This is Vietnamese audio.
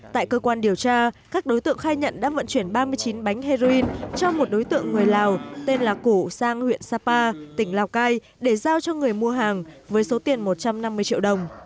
tại cơ quan điều tra các đối tượng khai nhận đã vận chuyển ba mươi chín bánh heroin cho một đối tượng người lào tên là củ sang huyện sapa tỉnh lào cai để giao cho người mua hàng với số tiền một trăm năm mươi triệu đồng